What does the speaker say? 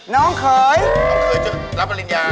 น้องเขยเชื่อรับปริญญา